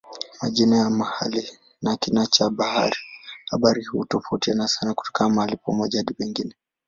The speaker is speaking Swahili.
Majina ya mahali na kina cha habari hutofautiana sana kutoka mahali pamoja hadi pengine.